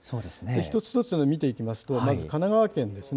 一つ一つ見ていきますと、まず神奈川県ですね。